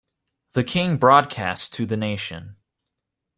The King broadcast to the nation.